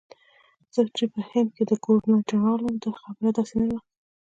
زه چې په هند کې ګورنرجنرال وم خبره داسې نه وه.